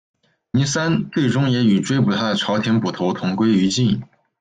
倪三最终也与追捕他的朝廷捕头同归于尽。